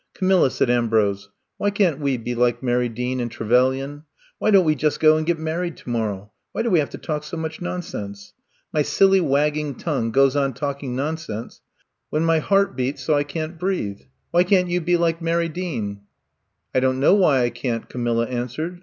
'* Camilla,'' said Ambrose, why can't we be like Mary Dean and Trevelyan? Why don't we just go and get married to morrow? Why do we have to talk so much nonsense! My silly wagging tongue goes on talking nonsense when my heart beats 113 114 I'VE COME TO STAY so I can 't breathe. Why can 't you be like Mary Dean ?'' '*I don't know why I can't,'^ Camilla answered.